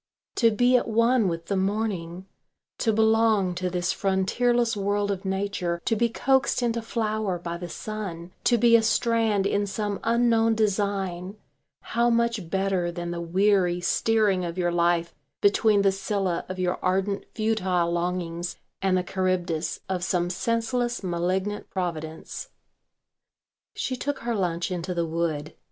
To be at one with the morning, to belong to this frontierless world of nature, to be coaxed into flower by the sun, to be a strand in some unknown design, how much better than the weary steering of your life between the Scylla of your ardent futile longings and the Charybdis of some senseless malignant providence. She took her lunch into the wood.